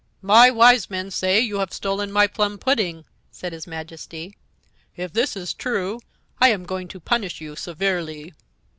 "My Wise Men say you have stolen my plum pudding," said his Majesty. "If this is true, I am going to punish you severely."